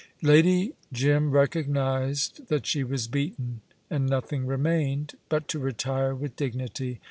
Lady Jim recognised that she was beaten, and nothing remained, but to retire with dignity.